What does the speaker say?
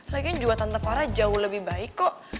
lagian juga tante farah jauh lebih baik kok